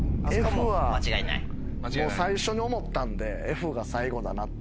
もう最初に思ったんでＦが最後だなって。